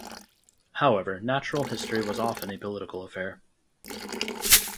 However, natural history was often a political affair.